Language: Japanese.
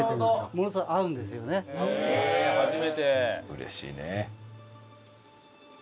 うれしいね。